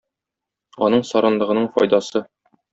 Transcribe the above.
Аның саранлыгының файдасы.